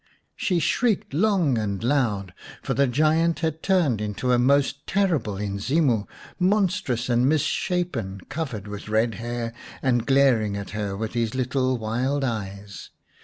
She shrieked long and loud, for the giant had turned to a most terrible Inzimu, monstrous and misshapen, covered with red hair, and glaring at her with his little wild eyes.